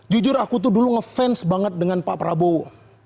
jujur aku tuh dulu ngefans banget dengan pak prabowo